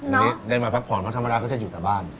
อันนี้เดินมาพักผ่อนเพราะธรรมดาก็จะอยู่แต่บ้าน